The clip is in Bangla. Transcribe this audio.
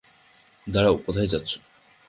দাড়াও কোথায় যাচ্ছ?